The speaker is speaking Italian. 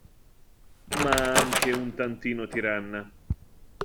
Ma anche un tantino tiranna.